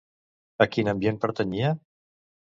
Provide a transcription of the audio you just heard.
A quin ambient pertanyia?